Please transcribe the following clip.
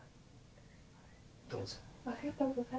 どうぞ。